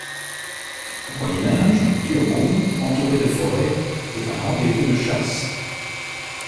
Au Moyen Âge, Turgon, entouré de forêts, était un rendez-vous de chasse.